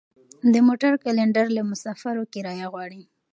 د موټر کلینډر له مسافرو کرایه غواړي.